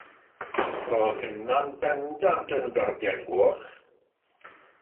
Roedd hynna'n bendant yn garden goch.